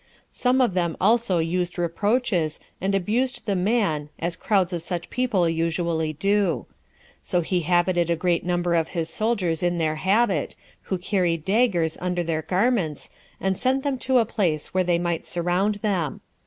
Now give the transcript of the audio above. Some of them also used reproaches, and abused the man, as crowds of such people usually do. So he habited a great number of his soldiers in their habit, who carried daggers under their garments, and sent them to a place where they might surround them.